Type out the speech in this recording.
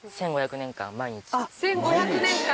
１５００年間！